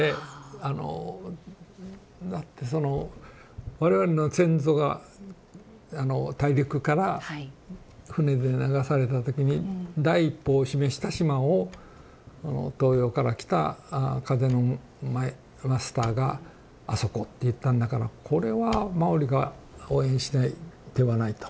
あのだってその我々の先祖が大陸から船で流された時に第一歩を示した島を東洋から来た風のマスターが「あそこ」って言ったんだからこれはマオリが応援しない手はないと。